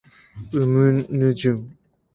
う ｍ ぬ ｊｎ